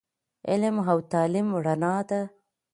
علم او تعليم رڼا ده